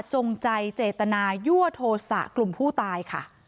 จงใจเจตนายั่วโทษะกลุ่มผู้ตายค่ะ